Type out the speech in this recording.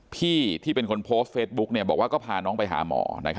พี่ที่เป็นคนโพสต์เฟซบุ๊กบอกว่าก็พาน้องไปหาหมอ